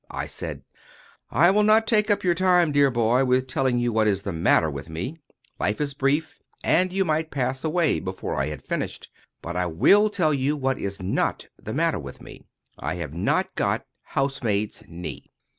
I said: "I will not take up your time, dear boy, with telling you what is the matter with me. Life is brief, and you might pass away before I had finished. But I will tell you what is not the matter with me. I have not got housemaid's knee.